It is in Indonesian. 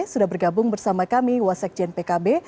sudah bergabung bersama kami wasek jen pkb